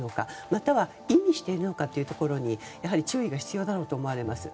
または、意味しているのかというところに注意が必要だろうと思われます。